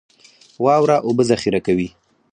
واوره اوبه ذخیره کوي